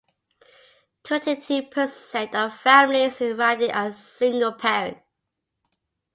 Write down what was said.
Twenty-two per cent of families in the riding are single-parent.